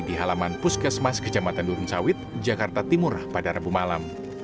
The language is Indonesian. di halaman puskesmas kejamatan durun sawit jakarta timur pada rabu malam